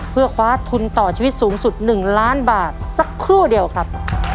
เพื่อคว้าทุนต่อชีวิตสูงสุด๑ล้านบาทสักครู่เดียวครับ